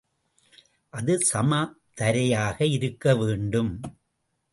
அது சம தரையாக இருக்க வேண்டும்.